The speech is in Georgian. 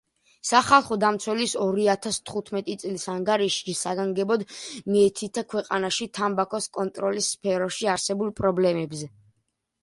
სახალხო დამცველის ორიათას თხუთმეტი წლის ანგარიშში საგანგებოდ მიეთითა ქვეყანაში თამბაქოს კონტროლის სფეროში არსებულ პრობლემებზე.